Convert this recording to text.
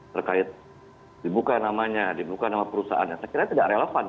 terkait dibuka namanya dibuka nama perusahaannya saya kira tidak relevan